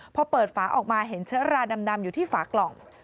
พอเปิดฝาออกมาเห็นเชื้อราดำอยู่ที่ฝากล่อง